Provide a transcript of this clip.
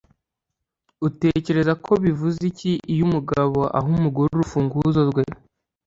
Utekereza ko bivuze iki iyo umugabo aha umugore urufunguzo rwe